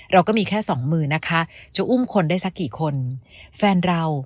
เราก็มีแค่๒มือนะคะจะอุ้มคนได้ซักกี่คน